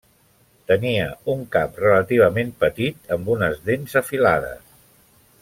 Tenia un cap relativament petit amb unes dents afilades.